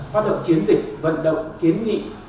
phát động chiến dịch vận động kiến nghị